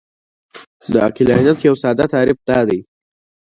د عقلانیت یو ساده تعریف دا دی.